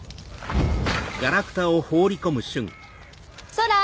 空！